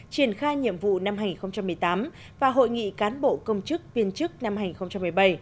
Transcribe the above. triển khai nhiệm vụ năm hai nghìn một mươi tám và hội nghị cán bộ công chức viên chức năm hai nghìn một mươi bảy